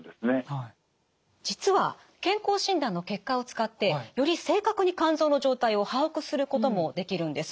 実は健康診断の結果を使ってより正確に肝臓の状態を把握することもできるんです。